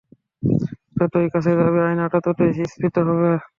যতোই কাছে যাবে, আয়নাটা ততোই স্ফীত হবে!